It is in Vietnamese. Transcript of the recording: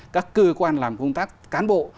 các cơ quan làm công tác cán bộ